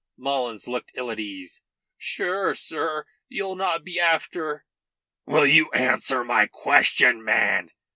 Mullins looked ill at ease. "Sure, sir, you'll not be after " "Will you answer my question, man?"